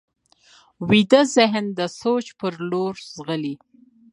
ویده ذهن د سوچ پر لور ځغلي